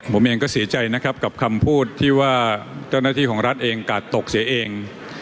ผมเองก็เสียใจนะครับกับคำพูดที่ว่าเจ้าหน้าที่ของรัฐเองกาดตกเสียเอง